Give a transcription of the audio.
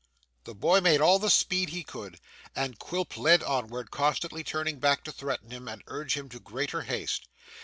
The boy made all the speed he could, and Quilp led onward, constantly turning back to threaten him, and urge him to greater haste.